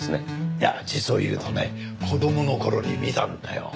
いや実を言うとね子供の頃に見たんだよ。